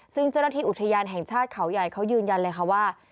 ซึ่งเจ้าหน้าที่อุทยานแห่งชาติเขาใหญ่เขายืนยันเลยค่ะว่า